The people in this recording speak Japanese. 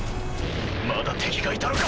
まだ敵がいたのか。